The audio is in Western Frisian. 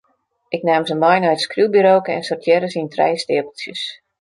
Ik naam se mei nei it skriuwburoke en sortearre se yn trije steapeltsjes.